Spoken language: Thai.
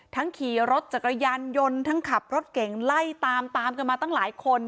ขี่รถจักรยานยนต์ทั้งขับรถเก่งไล่ตามตามกันมาตั้งหลายคน